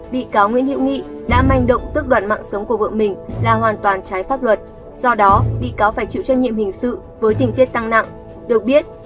bị cáo nguyễn hiệu nghị đã manh động tước đoạn mạng sống của vợ mình là hoàn toàn trái pháp luật